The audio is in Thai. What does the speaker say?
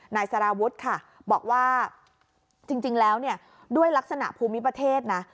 นายสารวุฒิค่ะบอกว่าจริงแล้วเนี่ยด้วยลักษณะภูมิประเทศนะ